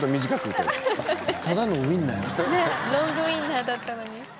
ロングウィンナーだったのに。